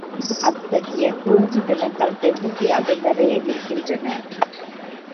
அத்தகைய குறிஞ்சி நிலங்கள் தென்னிந்தியாவில் நிறைய இருக்கின்றன.